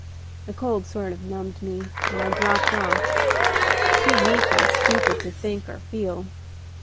The cold sort of numbed me, and I dropped off, too weak and stupid to think or feel.